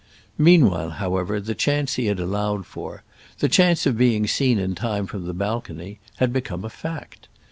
Meanwhile, however, the chance he had allowed for—the chance of being seen in time from the balcony—had become a fact.